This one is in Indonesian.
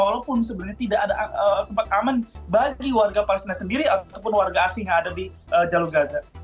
walaupun sebenarnya tidak ada tempat aman bagi warga palestina sendiri ataupun warga asing yang ada di jalur gaza